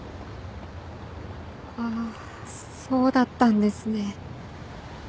ああそうだったんですね。